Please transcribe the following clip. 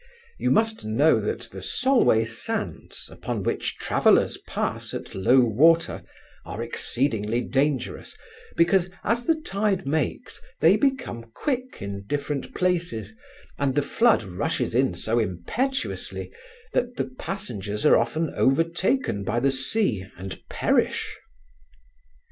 You must know, that the Solway sands, upon which travellers pass at low water, are exceedingly dangerous, because, as the tide makes, they become quick in different places, and the flood rushes in so impetuously, that the passengers are often overtaken by the sea and perish.